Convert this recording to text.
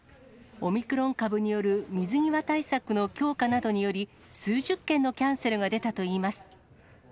オミクロン株による水際対策の強化などにより、数十件のキャンセルが出たといいます。